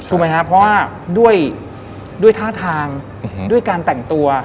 ถูกไหมครับเพราะว่าด้วยท่าทางด้วยการแต่งตัว